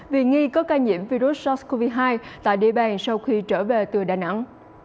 vì nghi có ca nhiễm virus sars cov hai tại địa bàn sau khi trở về từ đà nẵng